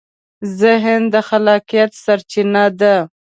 ذهن د خلاقیت سرچینه ده.